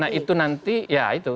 nah itu nanti ya itu